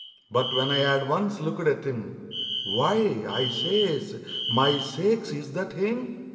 But when I had once looked at him, "Why!" I says, "My sakes, is that him?